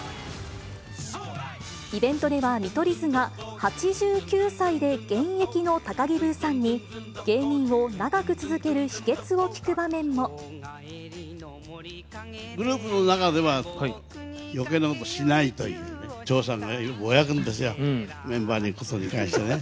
イベントでは見取り図が、８９歳で現役の高木ブーさんに芸人を長く続ける秘けつを聞く場面グループの中では、よけいなことをしないというね。